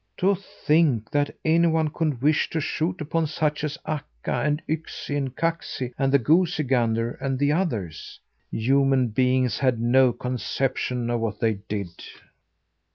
"To think that anyone could wish to shoot upon such as Akka and Yksi and Kaksi and the goosey gander and the others! Human beings had no conception of what they did."